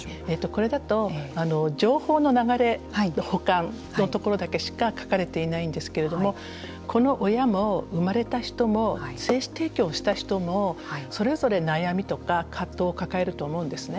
これだと情報の流れ保管のところだけしか書かれていないんですけれどもこの親も生まれた人も精子提供をした人もそれぞれ悩みとか葛藤を抱えると思うんですね。